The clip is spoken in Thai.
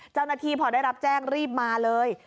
เจ้าหน้าที่พอได้รับแจ้งรีบมาเลย